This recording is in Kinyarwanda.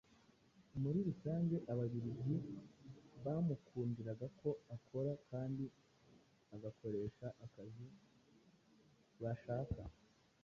Muri rusange Ababiligi bamukundiraga ko akora kandi agakoresha akazi bashaka.